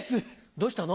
どうしたの？